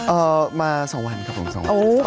เอ่อมาสองวันครับผมสองวัน